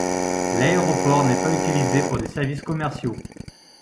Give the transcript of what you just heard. L'aéroport n'est pas utilisé pour des services commerciaux.